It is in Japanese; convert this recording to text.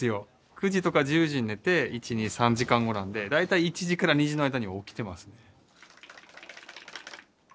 ９時とか１０時に寝て１２３時間後なんで大体１時から２時の間に起きてますね。